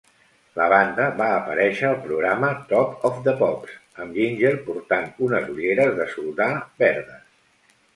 La banda va aparèixer al programa "Top of the Pops" amb Ginger portant unes ulleres de soldar verdes.